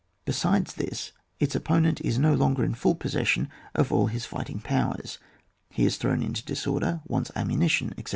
Besides this, its opponent is no longer in full possession of all his fight ing powers ; he is thrown into disorder, wants ammunition, etc.